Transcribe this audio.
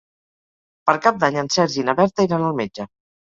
Per Cap d'Any en Sergi i na Berta iran al metge.